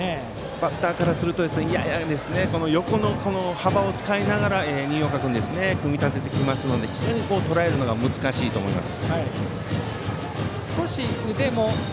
バッターからするとやや横の幅を使いながら新岡君は組み立ててきますので非常にとらえるのが難しいと思います。